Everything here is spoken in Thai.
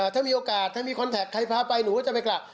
ถ้ามีโอกาสถ้ามีคอนแท็กใครพาไปหนูก็จะไปกลับ